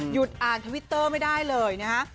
อ่านทวิตเตอร์ไม่ได้เลยนะฮะ